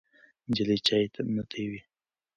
نجلۍ چای نه تویوي.